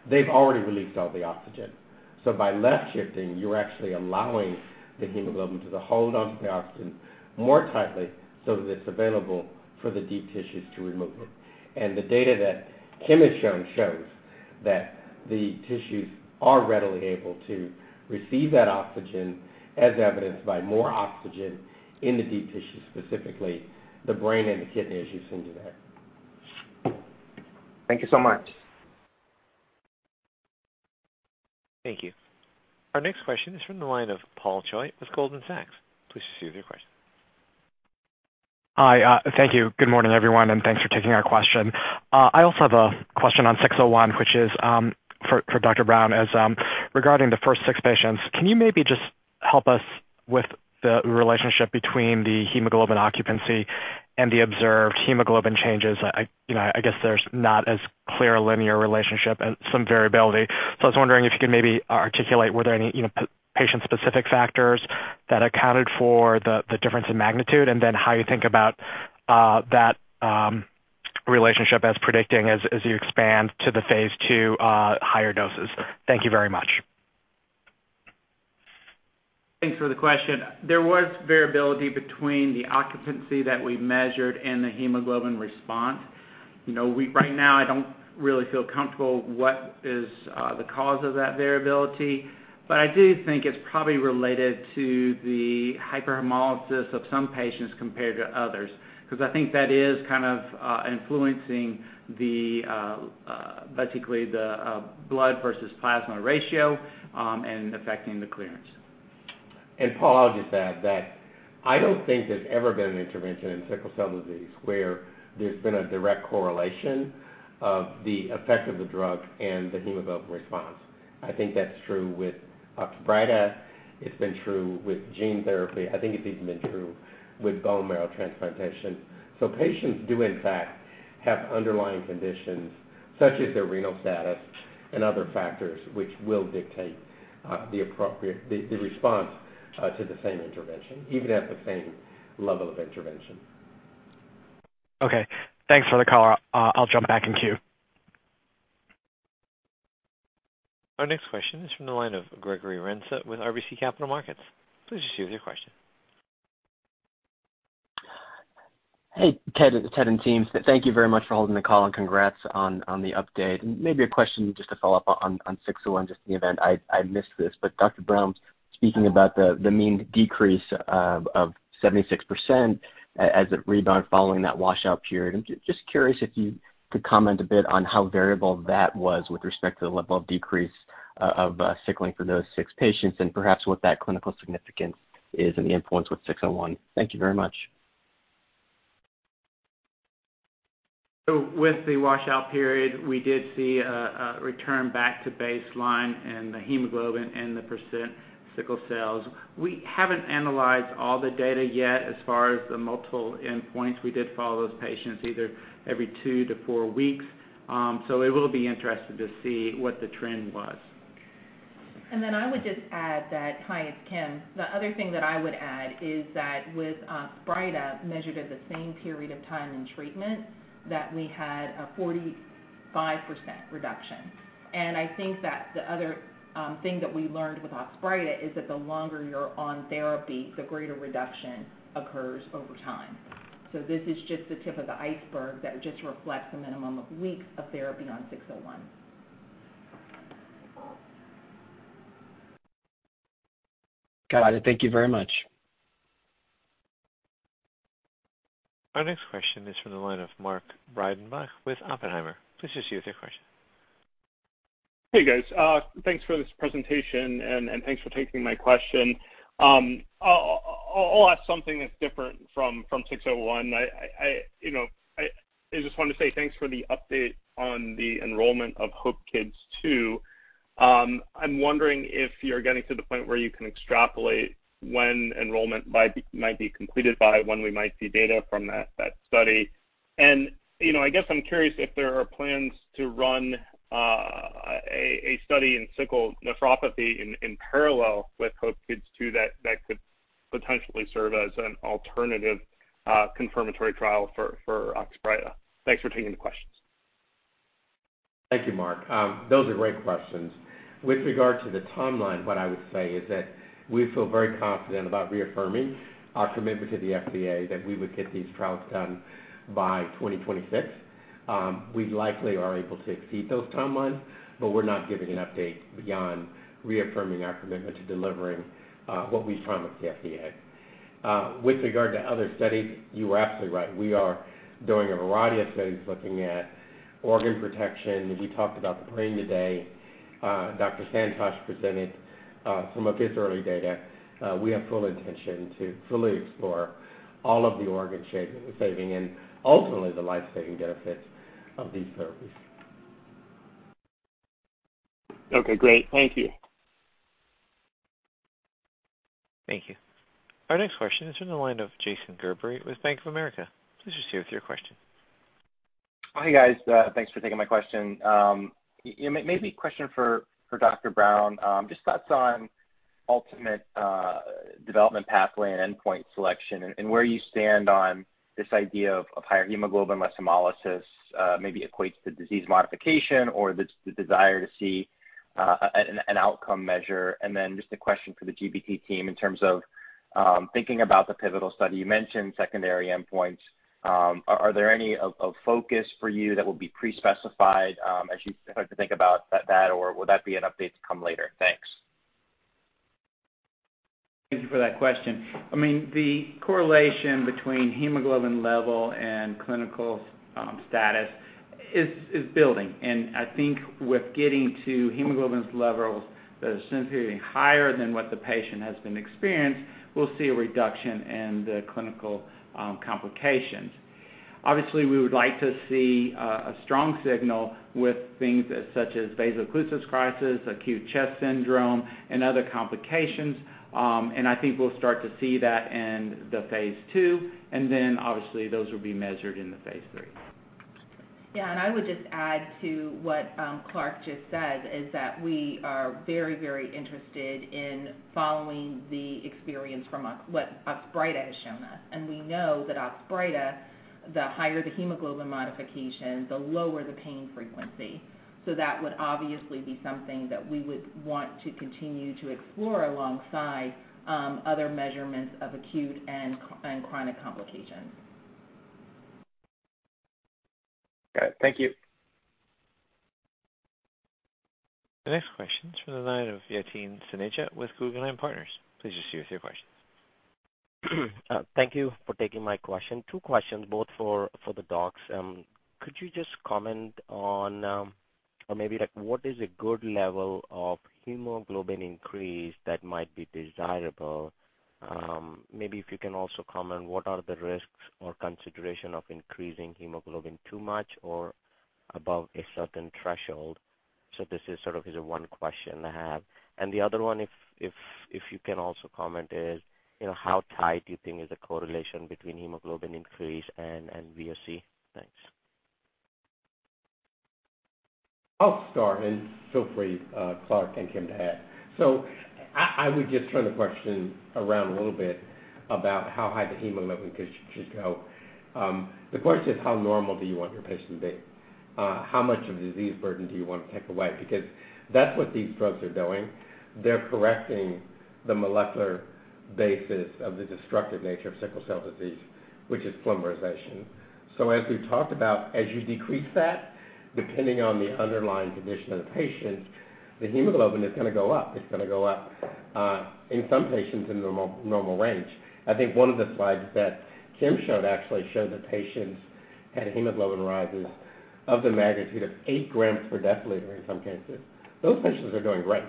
they've already released all the oxygen. By left shifting, you're actually allowing the hemoglobin to hold onto the oxygen more tightly so that it's available for the deep tissues to remove it. The data that Kim has shown shows that the tissues are readily able to receive that oxygen, as evidenced by more oxygen in the deep tissues, specifically the brain and the kidney tissues in there. Thank you so much. Thank you. Our next question is from the line of Paul Choi with Goldman Sachs. Please proceed with your question. Hi. Thank you. Good morning, everyone, and thanks for taking our question. I also have a question on 601, which is for Dr. Brown, regarding the first six patients. Can you maybe just help us with the relationship between the hemoglobin occupancy and the observed hemoglobin changes? You know, I guess there's not as clear linear relationship and some variability. I was wondering if you could maybe articulate were there any, you know, patient-specific factors that accounted for the difference in magnitude, and then how you think about that relationship as predicting as you expand to the phase II higher doses. Thank you very much. Thanks for the question. There was variability between the occupancy that we measured and the hemoglobin response. You know, right now, I don't really feel comfortable what is the cause of that variability, but I do think it's probably related to the hyperhemolysis of some patients compared to others. Because I think that is kind of influencing basically the blood versus plasma ratio and affecting the clearance. Paul, I'll just add that I don't think there's ever been an intervention in sickle cell disease where there's been a direct correlation of the effect of the drug and the hemoglobin response. I think that's true with Oxbryta. It's been true with gene therapy. I think it's even been true with bone marrow transplantation. Patients do in fact have underlying conditions, such as their renal status and other factors, which will dictate the appropriate response to the same intervention, even at the same level of intervention. Okay, thanks for the call. I'll jump back in queue. Our next question is from the line of Gregory Renza with RBC Capital Markets. Please proceed with your question. Hey, Ted, and team. Thank you very much for holding the call, and congrats on the update. Maybe a question just to follow up on GBT-601, just in the event I missed this. Dr. Brown, speaking about the mean decrease of 76% as it rebound following that washout period. I'm just curious if you could comment a bit on how variable that was with respect to the level of decrease of sickling for those six patients, and perhaps what that clinical significance is and the influence with GBT-601. Thank you very much. With the washout period, we did see a return back to baseline in the hemoglobin and the percent sickle cells. We haven't analyzed all the data yet as far as the multiple endpoints. We did follow those patients either every 2-4 weeks. It will be interesting to see what the trend was. Hi, it's Kim. The other thing that I would add is that with Sprida measured at the same period of time in treatment, that we had a 45% reduction. I think that the other thing that we learned with Oxbryta is that the longer you're on therapy, the greater reduction occurs over time. This is just the tip of the iceberg that just reflects the minimum of weeks of therapy on 601. Got it. Thank you very much. Our next question is from the line of Mark Breidenbach with Oppenheimer. Please proceed with your question. Hey, guys. Thanks for this presentation and thanks for taking my question. I'll ask something that's different from 601. You know, I just wanted to say thanks for the update on the enrollment of HOPE-Kids 2. I'm wondering if you're getting to the point where you can extrapolate when enrollment might be completed by, when we might see data from that study. You know, I guess I'm curious if there are plans to run a study in sickle nephropathy in parallel with HOPE-Kids 2 that could potentially serve as an alternative confirmatory trial for Oxbryta. Thanks for taking the questions. Thank you, Mark. Those are great questions. With regard to the timeline, what I would say is that we feel very confident about reaffirming our commitment to the FDA that we would get these trials done by 2026. We likely are able to exceed those timelines, but we're not giving an update beyond reaffirming our commitment to delivering what we promised the FDA. With regard to other studies, you are absolutely right. We are doing a variety of studies looking at organ protection. We talked about the brain today. Dr. Santosh Saraf presented some of his early data. We have full intention to fully explore all of the organ saving and ultimately the life-saving benefits of these therapies. Okay, great. Thank you. Thank you. Our next question is from the line of Jason Gerberry with Bank of America. Please proceed with your question. Hey, guys, thanks for taking my question. Maybe a question for Dr. Brown. Just thoughts on ultimate development pathway and endpoint selection and where you stand on this idea of higher hemoglobin, less hemolysis, maybe equates to disease modification or the desire to see an outcome measure. Just a question for the GBT team in terms of thinking about the pivotal study. You mentioned secondary endpoints. Are there any of focus for you that will be pre-specified as you start to think about that, or will that be an update to come later? Thanks. Thank you for that question. I mean, the correlation between hemoglobin level and clinical status is building. I think with getting to hemoglobin levels that are significantly higher than what the patient has been experienced, we'll see a reduction in the clinical complications. Obviously, we would like to see a strong signal with things such as vaso-occlusive crisis, acute chest syndrome, and other complications. I think we'll start to see that in the phase two, and then obviously those will be measured in the phase three. Yeah. I would just add to what Clark just said, is that we are very, very interested in following the experience from what Oxbryta has shown us. We know that Oxbryta, the higher the hemoglobin modification, the lower the pain frequency. That would obviously be something that we would want to continue to explore alongside other measurements of acute and chronic complications. Got it. Thank you. The next question is from the line of Yatin Suneja with Guggenheim Partners. Please proceed with your questions. Thank you for taking my question. Two questions, both for the docs. Could you just comment on or maybe like what is a good level of hemoglobin increase that might be desirable? Maybe if you can also comment what are the risks or consideration of increasing hemoglobin too much or above a certain threshold? This is sort of a one question I have. The other one, if you can also comment, is you know how high do you think is the correlation between hemoglobin increase and VOC? Thanks. I'll start, and feel free, Clark and Kim, to add. I would just turn the question around a little bit about how high the hemoglobin should go. The question is, how normal do you want your patient to be? How much of disease burden do you want to take away? Because that's what these drugs are doing. They're correcting the molecular basis of the destructive nature of sickle cell disease, which is polymerization. As we've talked about, as you decrease that, depending on the underlying condition of the patient, the hemoglobin is going to go up. It's going to go up in some patients in normal range. I think one of the slides that Kim showed actually showed the patients had hemoglobin rises of the magnitude of 8 grams per deciliter in some cases. Those patients are doing great.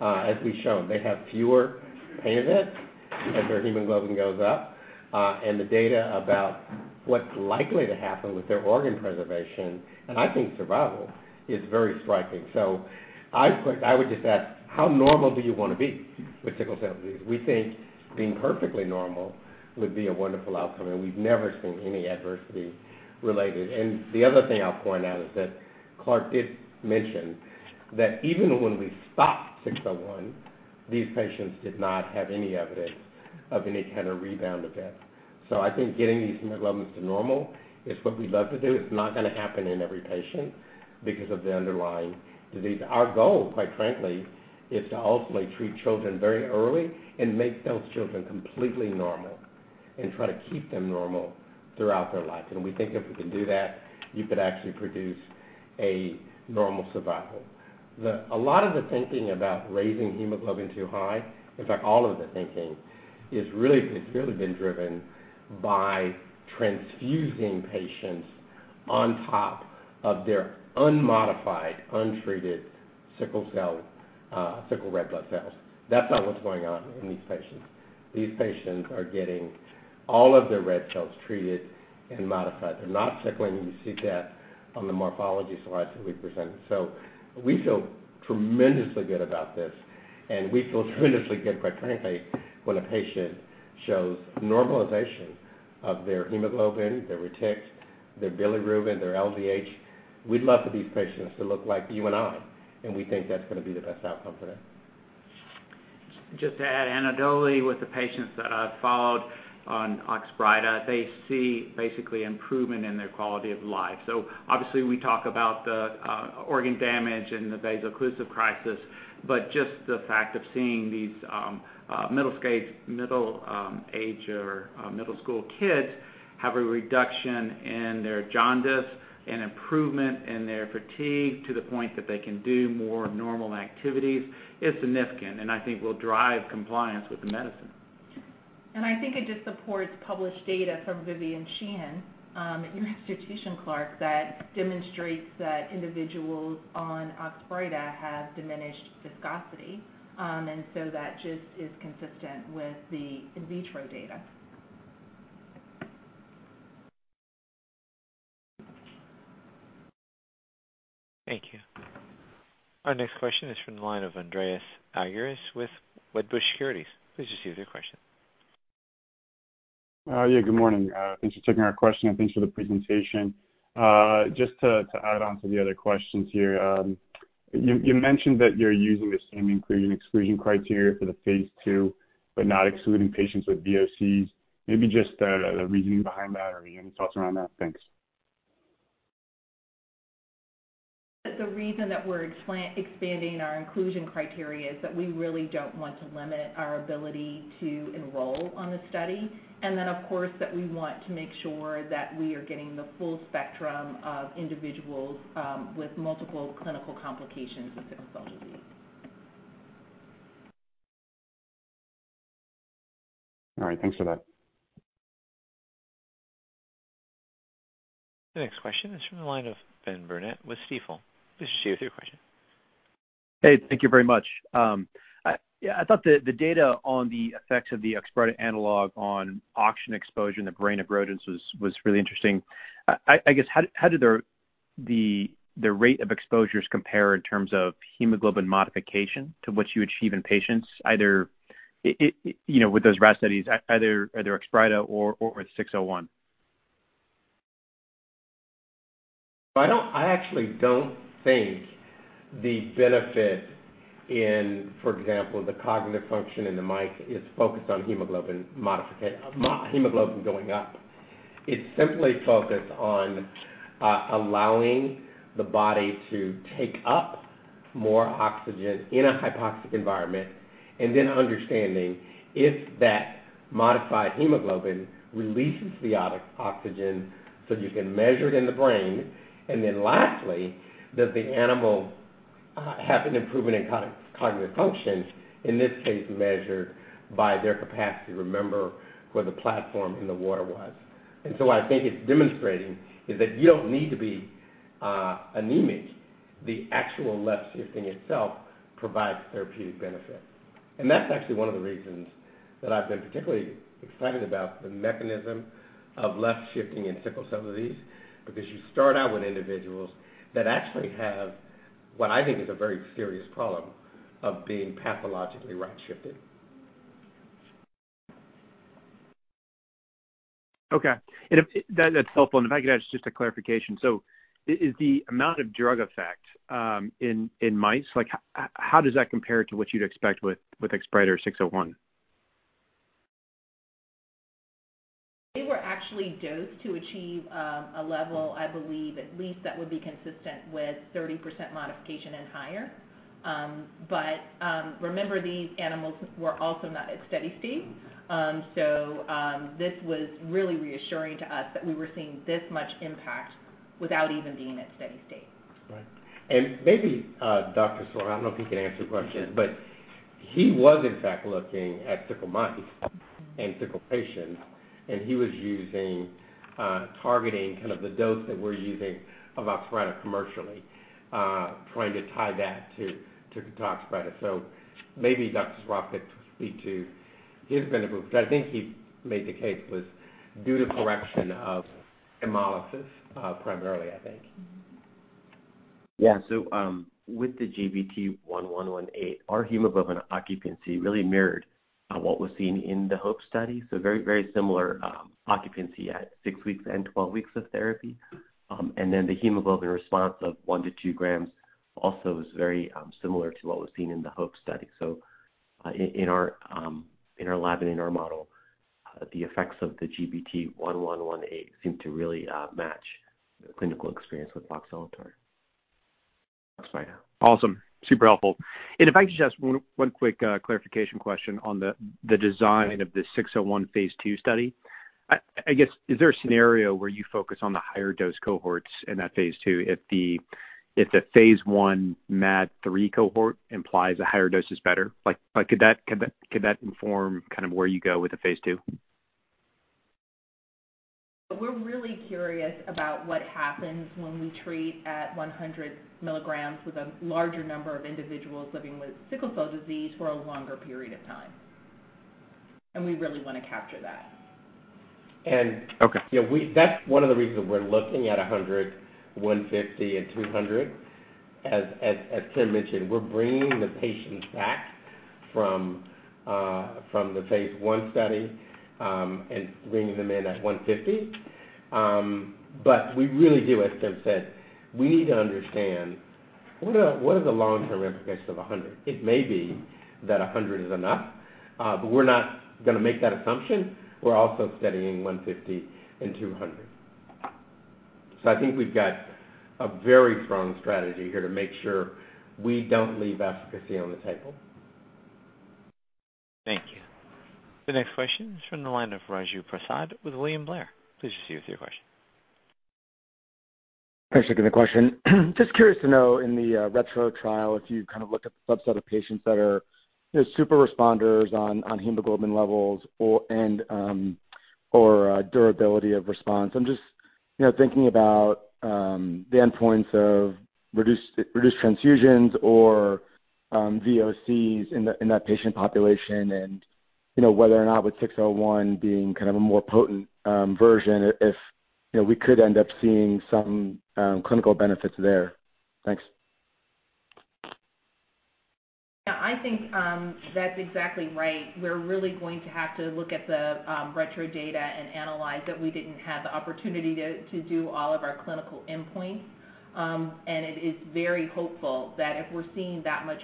As we've shown, they have fewer pain events as their hemoglobin goes up. The data about what's likely to happen with their organ preservation, and I think survival, is very striking. I would just ask, how normal do you want to be with sickle cell disease? We think being perfectly normal would be a wonderful outcome, and we've never seen any adversity related. The other thing I'll point out is that Clark did mention that even when we stopped 601, these patients did not have any evidence of any kind of rebound effect. I think getting these hemoglobins to normal is what we'd love to do. It's not going to happen in every patient because of the underlying disease. Our goal, quite frankly, is to ultimately treat children very early and make those children completely normal. Try to keep them normal throughout their life. We think if we can do that, you could actually produce a normal survival. A lot of the thinking about raising hemoglobin too high, in fact, all of the thinking is, it's really been driven by transfusing patients on top of their unmodified, untreated sickle cell, sickle red blood cells. That's not what's going on in these patients. These patients are getting all of their red cells treated and modified. They're not sickling. You see that on the morphology slides that we presented. We feel tremendously good about this, and we feel tremendously good, quite frankly, when a patient shows normalization of their hemoglobin, their retics, their bilirubin, their LDH. We'd love for these patients to look like you and I, and we think that's gonna be the best outcome for them. Just to add anecdotally, with the patients that I've followed on Oxbryta, they see basically improvement in their quality of life. Obviously, we talk about the organ damage and the vaso-occlusive crisis, but just the fact of seeing these middle school kids have a reduction in their jaundice and improvement in their fatigue to the point that they can do more normal activities is significant, and I think will drive compliance with the medicine. I think it just supports published data from Vivien Sheehan at your institution, Clark, that demonstrates that individuals on Oxbryta have diminished viscosity. That just is consistent with the in vitro data. Thank you. Our next question is from the line of Andreas Argyrides with Wedbush Securities. Please just use your question. Yeah, good morning. Thanks for taking our question, and thanks for the presentation. Just to add on to the other questions here. You mentioned that you're using the same inclusion/exclusion criteria for the phase II, but not excluding patients with VOCs. Maybe just the reasoning behind that or any thoughts around that? Thanks. The reason that we're expanding our inclusion criteria is that we really don't want to limit our ability to enroll on the study. Of course, that we want to make sure that we are getting the full spectrum of individuals, with multiple clinical complications with sickle cell disease. All right. Thanks for that. The next question is from the line of Benjamin Burnett with Stifel. Please share your question. Hey, thank you very much. I thought the data on the effects of the Oxbryta analog on oxygen exposure in the brain of rodents was really interesting. I guess, how did their rate of exposures compare in terms of hemoglobin modification to what you achieve in patients, either you know, with those rat studies, either Oxbryta or with 601? I actually don't think the benefit in, for example, the cognitive function in the mice is focused on hemoglobin going up. It's simply focused on allowing the body to take up more oxygen in a hypoxic environment and then understanding if that modified hemoglobin releases the oxygen, so you can measure it in the brain. Lastly, does the animal have an improvement in cognitive functions, in this case, measured by their capacity to remember where the platform in the water was? I think it's demonstrating is that you don't need to be anemic. The actual left-shifting itself provides therapeutic benefit. That's actually one of the reasons that I've been particularly excited about the mechanism of left-shifting in sickle cell disease, because you start out with individuals that actually have what I think is a very serious problem of being pathologically right-shifted. Okay. That's helpful. If I could add just a clarification. Is the amount of drug effect in mice, like, how does that compare to what you'd expect with Oxbryta or 601? They were actually dosed to achieve a level, I believe at least that would be consistent with 30% modification and higher. Remember these animals were also not at steady state. This was really reassuring to us that we were seeing this much impact without even being at steady state. Right. Maybe, Dr. Saraf, I don't know if you can answer the question. Sure. He was in fact looking at sickle mice and sickle patients, and he was using targeting kind of the dose that we're using of Oxbryta commercially, trying to tie that to Oxbryta. Maybe Dr. Saraf could speak to his benefit, but I think he made the case was due to correction of hemolysis, primarily, I think. Yeah. With the GBT1118, our hemoglobin occupancy really mirrored what was seen in the HOPE study. Very, very similar occupancy at six weeks and 12 weeks of therapy. Then the hemoglobin response of 1-2 grams also is very similar to what was seen in the HOPE study. In our lab and in our model, the effects of the GBT1118 seem to really match the clinical experience with voxelotor. Awesome. Super helpful. If I could just one quick clarification question on the design of the 601 phase 2 study. I guess, is there a scenario where you focus on the higher dose cohorts in that phase II if the phase I MAD 3 cohort implies a higher dose is better? Like, could that inform kind of where you go with the phase 2? We're really curious about what happens when we treat at 100 milligrams with a larger number of individuals living with sickle cell disease for a longer period of time. We really wanna capture that. And- Okay. You know, that's one of the reasons we're looking at 100, 150, and 200. As Kim Smith-Whitley mentioned, we're bringing the patients back from the phase 1 study and bringing them in at 150. But we really do, as Kim Smith-Whitley said, we need to understand what are the long-term implications of 100? It may be that 100 is enough, but we're not gonna make that assumption. We're also studying 150 and 200. I think we've got a very strong strategy here to make sure we don't leave efficacy on the table. Thank you. The next question is from the line of Raju Prasad with William Blair. Please proceed with your question. Thanks for taking the question. Just curious to know in the retro trial, if you kind of looked at the subset of patients that are, you know, super responders on hemoglobin levels or durability of response. I'm just, you know, thinking about the endpoints of reduced transfusions or VOCs in that patient population and, you know, whether or not with 601 being kind of a more potent version if, you know, we could end up seeing some clinical benefits there. Thanks. Yeah, I think that's exactly right. We're really going to have to look at the retrospective data and analyze that. We didn't have the opportunity to do all of our clinical endpoints. It is very hopeful that if we're seeing that much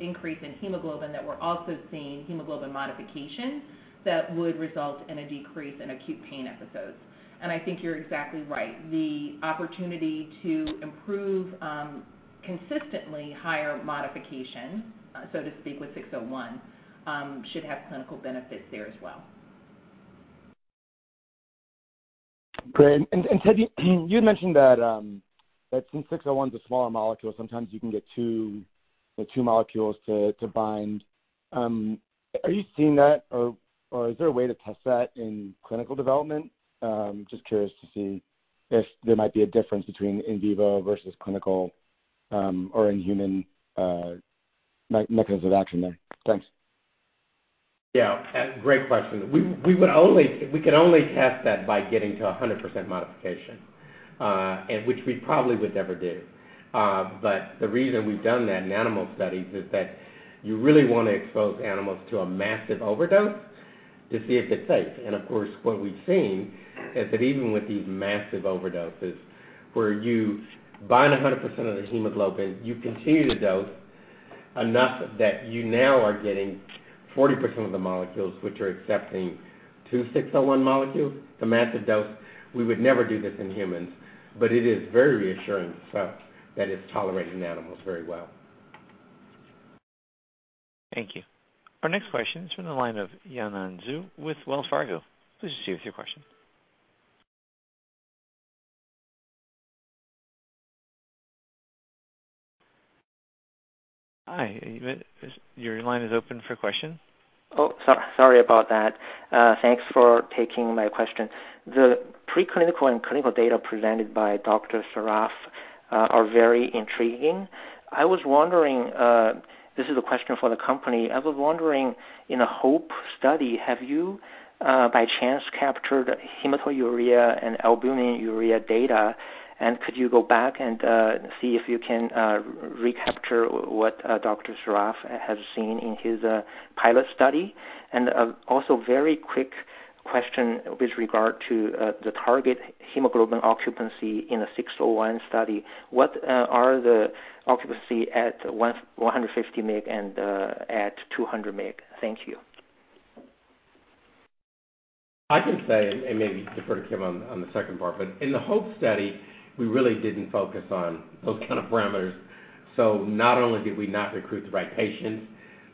increase in hemoglobin, that we're also seeing hemoglobin modification that would result in a decrease in acute pain episodes. I think you're exactly right. The opportunity to improve consistently higher modification, so to speak, with 601, should have clinical benefits there as well. Great. Ted, you had mentioned that since 601's a smaller molecule, sometimes you can get two, you know, two molecules to bind. Are you seeing that or is there a way to test that in clinical development? Just curious to see if there might be a difference between in vivo versus clinical or in human mechanisms of action there. Thanks. Yeah, great question. We could only test that by getting to 100% modification, and which we probably would never do. The reason we've done that in animal studies is that you really wanna expose animals to a massive overdose to see if it's safe. Of course, what we've seen is that even with these massive overdoses where you bind 100% of their hemoglobin, you continue to dose enough that you now are getting 40% of the molecules which are accepting two 601 molecules. It's a massive dose. We would never do this in humans, but it is very reassuring stuff that it's tolerated in animals very well. Thank you. Our next question is from the line of Yanan Zhu with Wells Fargo. Please proceed with your question. Hi. Your line is open for question. Thanks for taking my question. The preclinical and clinical data presented by Dr. Saraf are very intriguing. This is a question for the company. I was wondering, in the HOPE study, have you by chance captured hematuria and albuminuria data, and could you go back and see if you can recapture what Dr. Saraf has seen in his pilot study? Also very quick question with regard to the target hemoglobin occupancy in the GBT-601 study. What are the occupancy at 150 mg and at 200 mg? Thank you. I can say, and maybe defer to Kim on the second part, but in the HOPE study, we really didn't focus on those kind of parameters. Not only did we not recruit the right patients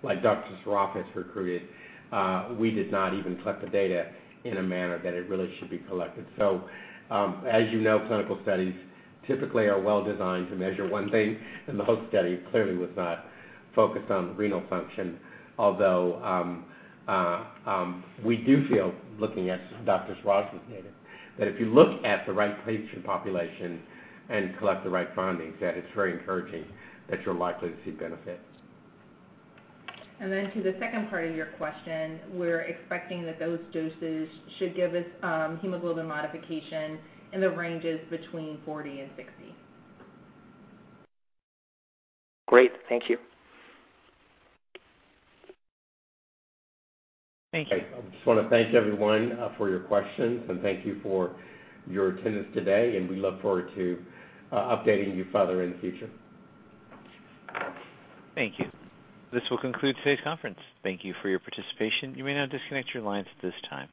like Dr. Saraf has recruited, we did not even collect the data in a manner that it really should be collected. As you know, clinical studies typically are well-designed to measure one thing, and the HOPE study clearly was not focused on renal function. Although, we do feel, looking at Dr. Saraf's data, that if you look at the right patient population and collect the right findings, that it's very encouraging that you're likely to see benefit. To the second part of your question, we're expecting that those doses should give us hemoglobin modification in the ranges between 40 and 60. Great. Thank you. Thank you. I just wanna thank everyone for your questions, and thank you for your attendance today, and we look forward to updating you further in the future. Thank you. This will conclude today's conference. Thank you for your participation. You may now disconnect your lines at this time.